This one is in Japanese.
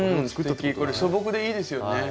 これ素朴でいいですよね。